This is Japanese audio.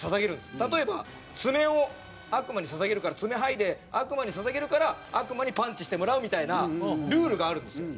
例えば爪を悪魔に捧げるから爪はいで悪魔に捧げるから悪魔にパンチしてもらうみたいなルールがあるんですよ。